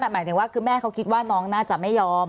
หมายถึงว่าคือแม่เขาคิดว่าน้องน่าจะไม่ยอม